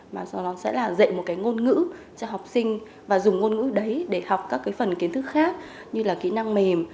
mà sau đó sẽ là dạy một cái ngôn ngữ cho học sinh và dùng ngôn ngữ đấy để học các cái phần kiến thức khác như là kỹ năng mềm